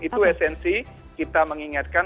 itu esensi kita mengingatkan